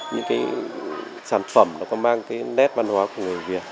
những cái sản phẩm nó có mang cái nét văn hóa của người việt